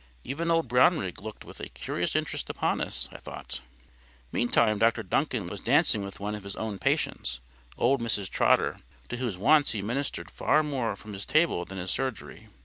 Even old Brownrigg looked with a curious interest upon us, I thought. Meantime Dr Duncan was dancing with one of his own patients, old Mrs Trotter, to whose wants he ministered far more from his table than his surgery.